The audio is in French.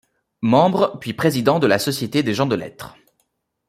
Membre puis président de la Société des Gens de Lettres.